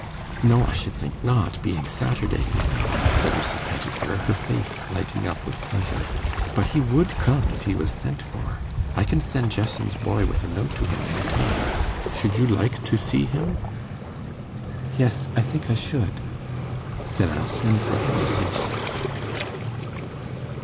'No, I should think not, being Saturday, you know,' said Mrs. Pettifer, her face lighting up with pleasure; 'but he would come, if he was sent for. I can send Jesson's boy with a note to him any time. Should you like to see him?' 'Yes, I think I should.' 'Then I'll send for him this instant.